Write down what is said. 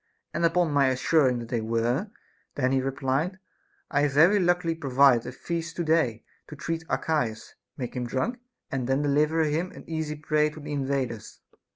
And upon my assuring that they were, then he replied, I have very luckily provided a feast to day to treat Archias, make him drunk, and then deliver him an easy prey to the invaders.